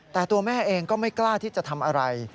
แต่ตัวแม่เองก็ไม่กล้าที่จะทำอะไร